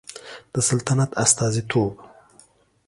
د سلطنت استازیتوب